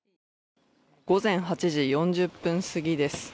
午前８時４０分すぎです。